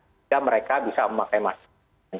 sehingga mereka bisa memakai masker